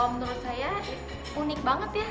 menurut saya unik banget ya